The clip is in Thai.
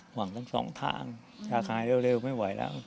หวังกัน๒ทางจะขายเร็วไม่ไหวแล้ว